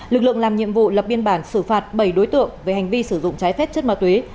lực lượng làm nhiệm vụ lập biên bản xử phạt bảy đối tượng về hành vi sử dụng trái phép chất ma túy